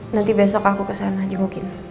nanti besok aku kesana jangan mungkin